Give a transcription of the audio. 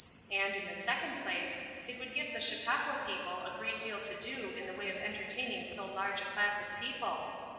And in the second place, it would give the Chautauqua people a great deal to do in the way of entertaining so large a class of people.